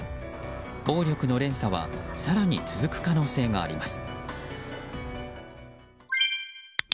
暴力の連鎖は更に続く可能性があります。